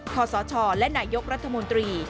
ขอสชและนายกรัฐมนตรี